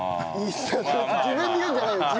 自分で言うんじゃないよ。